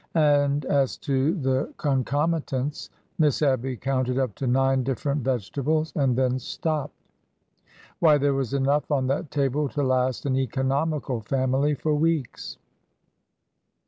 And as to the con comitants !— Miss Abby counted up to nine different vege tables and then stopped. Why, there was enough on that table to last an economical family for weeks